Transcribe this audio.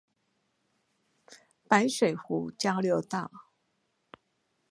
白水湖交流道